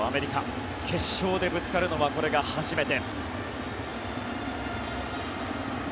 日本とアメリカ決勝でぶつかるのはこれが初めて。